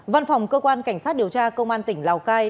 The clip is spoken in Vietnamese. văn phòng cơ quan cảnh sát điều tra công an tỉnh lào cai